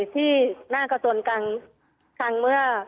ที่หน้ากระทรวงกังคังเมื่อ